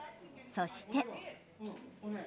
そして。